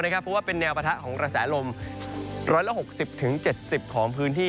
เพราะว่าเป็นแนวปะทะของกระแสลม๑๖๐๗๐ของพื้นที่